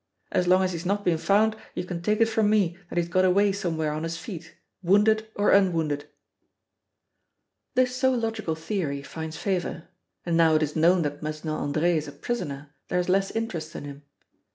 As long as he's not been found you can take it from me that he's got away somewhere on his feet, wounded or unwounded." This so logical theory finds favor, and now it is known that Mesnil Andre is a prisoner there is less interest in him.